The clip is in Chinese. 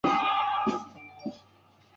瓦龙蓬达尔克人口变化图示